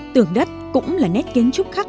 tường đất cũng là nét kiến trúc khác